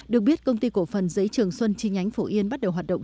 được biết công ty cổ phần giấy trường xuân chi nhánh phổ yên bắt đầu hoạt động